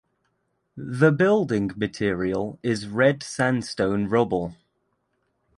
The building material is Red sandstone rubble.